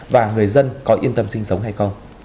và người dân có yên tâm sinh sống hay không